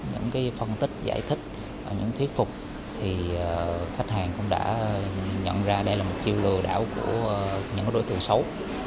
những phân tích giải thích những thuyết phục thì khách hàng cũng đã nhận ra đây là một chiêu lừa đảo của những đối tượng xấu